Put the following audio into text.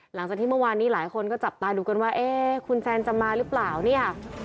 หลังจากที่เมื่อวานนี้หลายคนก็จับตาดูกันว่าเอ๊ะคุณแซนจะมาหรือเปล่าเนี่ย